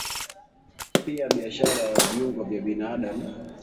Pia biashara ya viungo vya binadamu